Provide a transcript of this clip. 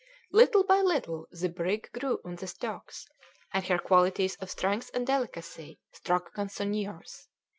Little by little the brig grew on the stocks, and her qualities of strength and delicacy struck connoisseurs.